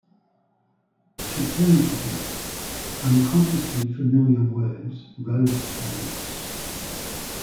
She turned to him; unconsciously familiar words rose to her lips.